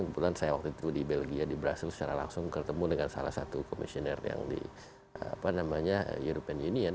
kebetulan saya waktu itu di belgia di brazil secara langsung ketemu dengan salah satu komisioner yang di european union